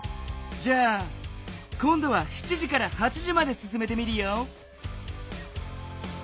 じゃあこんどは７時から８時まですすめてみるよ。